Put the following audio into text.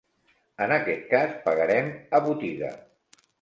En aquest cas, pagarem a botiga.